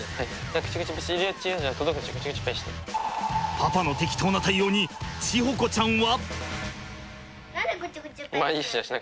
パパの適当な対応に智穂子ちゃんは。